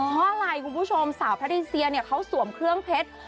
เพราะอะไรคุณผู้ชมสาวพระดินเซียเนี่ยเขาสวมเครื่องเพชร